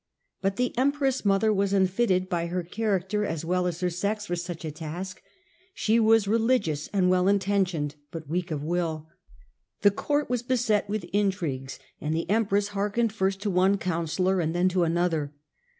But the Bmpress mother was unfitted by her character, as wel^as her sex, for such a task. She was religious and t7^ intentioned, but weak of will. The court was beset with intrigues, and the empress hearkened first to one counsellor and then to another.